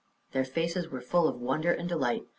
Their faces were full of wonder and delight.